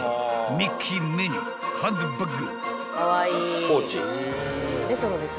ミッキーミニーハンドバッグ］